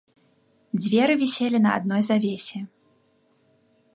Дзверы віселі на адной завесе.